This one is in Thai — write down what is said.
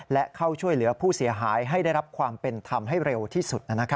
และเข้าช่วยเหลือผู้เสียหายให้ได้รับความเป็นธรรมให้เร็วที่สุด